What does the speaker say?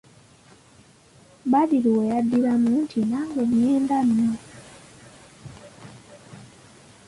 Badru we yaddiramu nti:"nange ngenda nno"